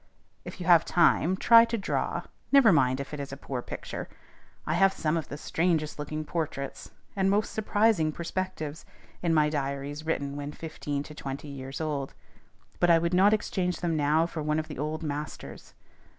If you have time, try to draw: never mind if it is a poor picture. I have some of the strangest looking portraits and most surprising perspectives in my diaries written when fifteen to twenty years old; but I would not exchange them now for one of the "old masters."